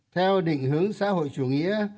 theo định hướng xã hội chủ nghĩa